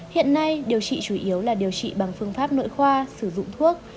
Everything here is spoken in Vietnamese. hiện nay điều trị chủ yếu là điều trị bằng phương pháp nội khoa sử dụng thuốc